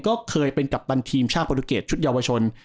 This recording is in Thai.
ก็เคยเป็นกัปตันทีมชาติโปรตูเกตชุดเยาวชน